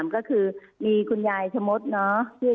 ก็คือมีคุณยายชะมดเนาะ